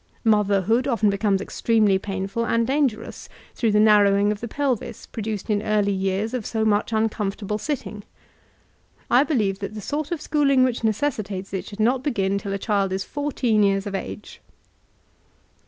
Motherhood often be comes extremely painful and dangerous through the nar rowing of the pelvis produced in early years of so much uncomfortable sitting. I believe that the sort of school ing which necessitates it should not hcpn till a child is fourteen years of age.